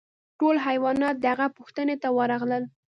ټول حیوانات د هغه پوښتنې ته ورغلل.